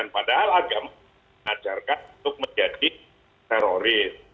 padahal agama mengajarkan untuk menjadi teroris